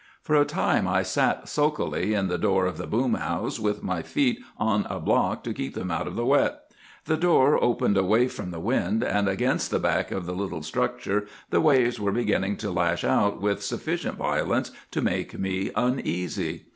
"For a time I sat sulkily in the door of the boom house, with my feet on a block to keep them out of the wet. The door opened away from the wind, and against the back of the little structure the waves were beginning to lash with sufficient violence to make me uneasy.